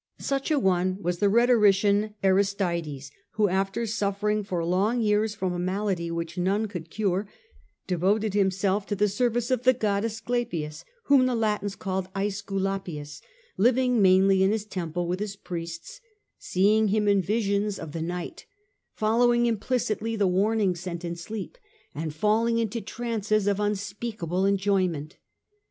Such a one was the rhetorician Aristides, who, after suffering for long years from a malady which none could cure, devoted himself to the service of the god Asclepius (whom the Latins called yEsculapius), living mainly in his temple with his priests, seeing him in visions of the Forms of Worship Sanctioned by the State. i6i night, following implicitly the warnings sent in sleep, and falling into trances of unspeakable enjoyment.